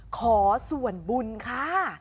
ขอส่วนบุญค่ะ